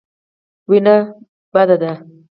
وېنه بده ده.